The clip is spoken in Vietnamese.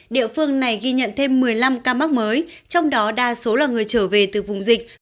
địa phương này ghi nhận thêm một mươi năm ca mắc mới trong đó đa số là người trở về từ vùng dịch